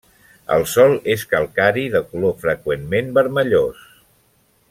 El sòl és calcari de color freqüentment vermellós.